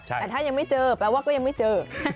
แต่ถ้ายังไม่เจอแปลว่าก็ยังไม่เจอ